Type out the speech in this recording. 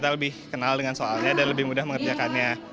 kita lebih kenal dengan soalnya dan lebih mudah mengerjakannya